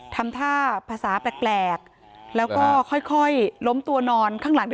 ทำท่าภาษาแปลกแล้วก็ค่อยล้มตัวนอนข้างหลังด้วย